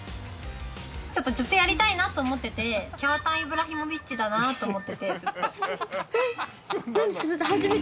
ちょっとずっとやりたいなと思ってて、きゃわたんイブラヒモビッチだなと思ってて。